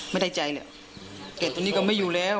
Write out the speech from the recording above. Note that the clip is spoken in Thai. ไม่ได้จ่ายเลยเกรดอันนี้ก็ไม่อยู่แล้ว